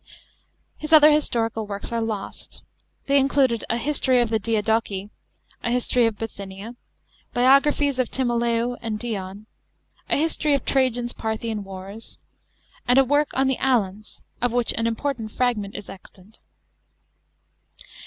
f His other historical works are lost. They included a history of the Diadochi ; a history of Bithynia ; biographies of Timoleou and Dion ; a history of Trajan's Parthian wars ; and a work on the Alans (of which an important fragment is extant).